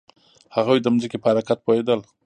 هغوی د ځمکې په حرکت پوهیدل.